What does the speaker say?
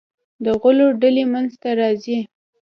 د غلو ډلې منځته راځي.